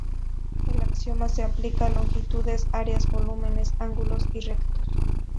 El axioma se aplica a longitudes, áreas, volúmenes, ángulos rectos.